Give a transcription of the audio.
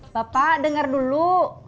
bapak dengar dulu